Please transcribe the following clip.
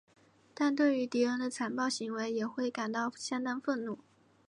但对于敌人的残暴行为也会感到相当愤怒。